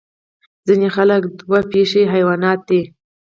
ځینې خلک دوه پښیزه حیوانات دي